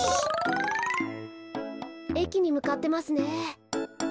えきにむかってますね。